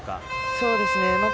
そうですね。